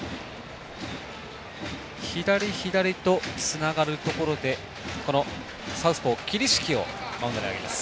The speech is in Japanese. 左左とつながるところでこのサウスポー、桐敷をマウンドに上げます。